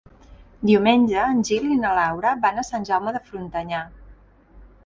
Diumenge en Gil i na Laura van a Sant Jaume de Frontanyà.